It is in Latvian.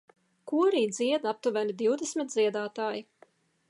Korī dzied aptuveni divdesmit dziedātāji